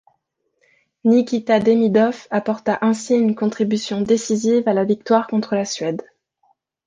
Nikita Demidoff apporta ainsi une contribution décisive à la victoire contre la Suède.